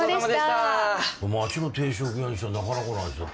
街の定食屋にしてはなかなかの味だったな。